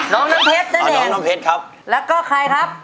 น้องน้ำเพชรนะเนี่ยแล้วก็ใครครับ